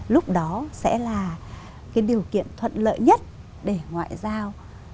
lúc đó sẽ là cái điều kiện thuận lợi nhất để ngoại giao